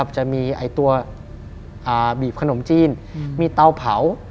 จะมีตัวบีบขนมจีนมีเตาเผา